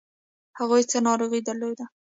هغوی څه ناروغي درلوده؟